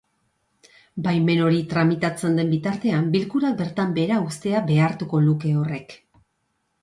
Baimen hori tramitatzen den bitartean, bilkurak bertan behera uztea behartuko luke horrek.